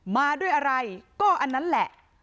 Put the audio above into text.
มาด้วยอะไรก็อันนั้นแหละ